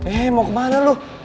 eh mau kemana lo